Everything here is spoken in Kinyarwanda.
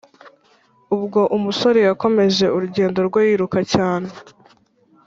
ubwo umusore yakomeje urugendo rwe yiruka cyane